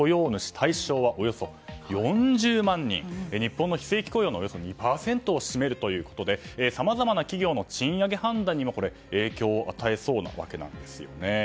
対象はおよそ４０万人で日本の非正規雇用のおよそ２％を占めるということでさまざまな企業の賃上げ判断にも影響を与えそうなわけなんですね。